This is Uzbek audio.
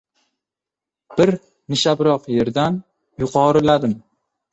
Bir nishabroq yerdan yuqoriladim.